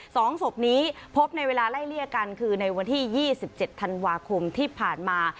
สองศพนี้พบในเวลาไล่เลี่ยกันคือในวันที่ยี่สิบเจ็ดธันวาคมที่ผ่านมา